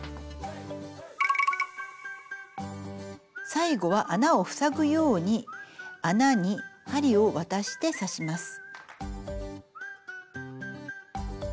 最後は穴を塞ぐように穴に針を渡して刺します。